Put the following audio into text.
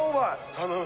頼む！